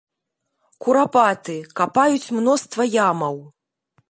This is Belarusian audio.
Курапаты, капаюць мноства ямаў.